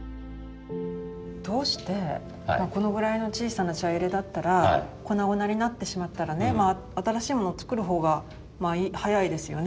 どうしてこのぐらいの小さな茶入だったら粉々になってしまったらね新しいもの作る方が早いですよね。